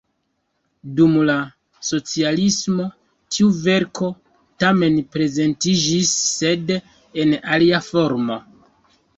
Dum la socialismo tiu verko tamen prezentiĝis, sed en alia formo.